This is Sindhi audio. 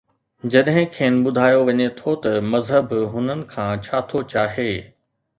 جڏهن کين ٻڌايو وڃي ٿو ته مذهب هنن کان ڇا ٿو چاهي.